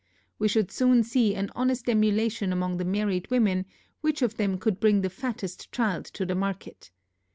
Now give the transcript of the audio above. We should soon see an honest emulation among the married women, which of them could bring the fattest child to the market.